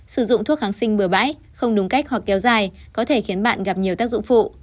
sử dụng thuốc kháng sinh bừa bãi không đúng cách hoặc kéo dài có thể khiến bạn gặp nhiều tác dụng phụ